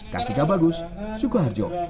ketika bagus suka harjo